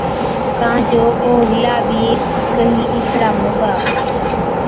ڪان جو او هِلا بِي ڪهِين اِسڙا موڳا۔